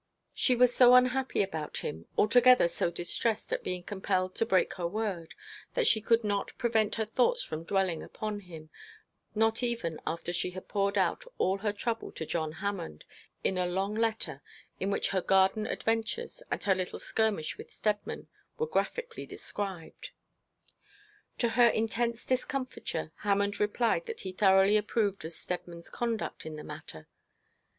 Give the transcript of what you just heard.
She was so unhappy about him, altogether so distressed at being compelled to break her word, that she could not prevent her thoughts from dwelling upon him, not even after she had poured out all her trouble to John Hammond in a long letter, in which her garden adventures and her little skirmish with Steadman were graphically described. To her intense discomfiture Hammond replied that he thoroughly approved of Steadman's conduct in the matter.